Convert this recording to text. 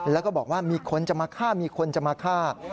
แล้วก็บอกว่ามีคนจะมาฆ่ามีคนจะมาฆ่า